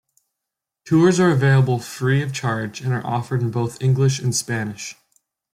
Tours are available free of charge and are offered in both English and Spanish.